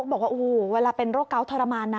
โอ้วเวลาเป็นโรคเกล้าทรมาญนะ